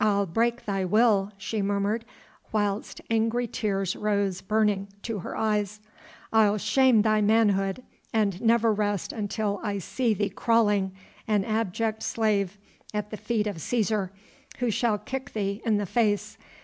"I'll break thy will," she murmured, whilst angry tears rose, burning, to her eyes. "I'll shame thy manhood and never rest until I see thee crawling an abject slave at the feet of Cæsar, who shall kick thee in the face.